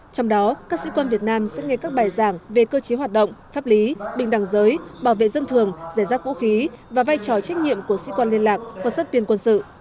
trong đó các sĩ quan việt nam sẽ nghe các bài giảng về cơ chế hoạt động pháp lý bình đẳng giới bảo vệ dân thường giải rác vũ khí và vai trò trách nhiệm của sĩ quan liên lạc hoặc sát viên quân sự